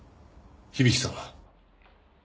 響さんは？